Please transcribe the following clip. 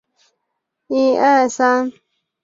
购物中心也鲜少。